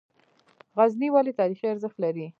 غزني ولې تاریخي ارزښت لري؟